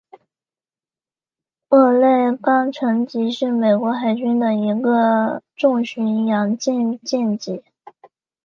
俄勒冈城级是美国海军的一个重巡洋舰舰级。